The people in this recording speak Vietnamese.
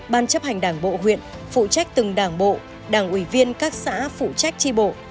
ban chấp hành đảng bộ huyện phụ trách từng đảng bộ đảng ủy viên các xã phụ trách tri bộ